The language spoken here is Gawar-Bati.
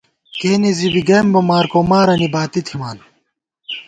کېنے بی زی گئیم بہ مارکومارَنی باتی تھمان